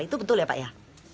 itu betul ya pak ya